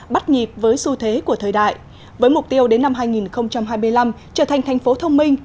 bắt nhịp với xu thế của thời đại với mục tiêu đến năm hai nghìn hai mươi năm trở thành thành phố thông minh